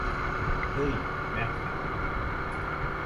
হেই, Matthew.